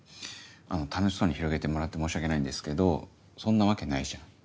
楽しそうに広げてもらって申し訳ないんですけどそんなわけないじゃん。